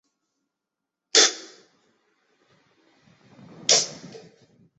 今北大东岛在行政区划上属于冲绳县岛尻郡北大东村管辖。